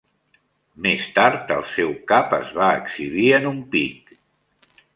Més tard, el seu cap es va exhibir en un pic.